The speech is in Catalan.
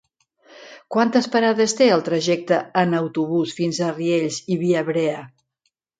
Quantes parades té el trajecte en autobús fins a Riells i Viabrea?